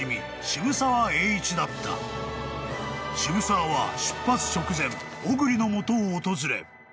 ［渋沢は出発直前小栗の元を訪れ］